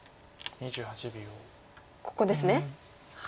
ここですね。